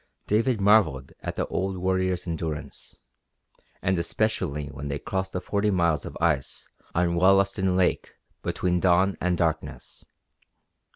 David marvelled at the old warrior's endurance, and especially when they crossed the forty miles of ice on Wollaston Lake between dawn and darkness.